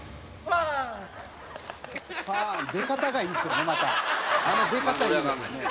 「パァ！の出方がいいですよね